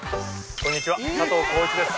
こんにちは佐藤浩市です